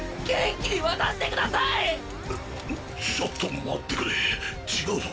ちょっと待ってくれ違うぞ。